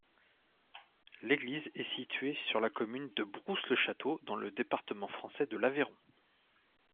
L'église est située sur la commune de Brousse-le-Château, dans le département français de l'Aveyron.